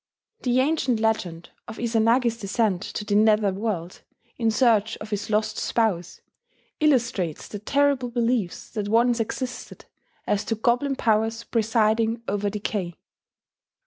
The ancient legend of Izanagi's descent to the nether world, in search of his lost spouse, illustrates the terrible beliefs that once existed as to goblin powers presiding over decay.